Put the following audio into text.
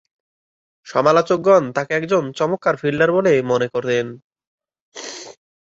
সমালোচকগণ তাকে একজন চমৎকার ফিল্ডার বলে মনে করেন।